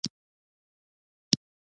د بدګمانۍ پېټی په اوږو بار نه کړي.